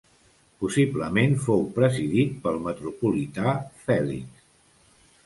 Possiblement fou presidit pel metropolità Fèlix.